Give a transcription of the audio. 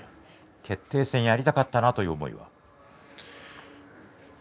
決定戦やりたかったなという思いは？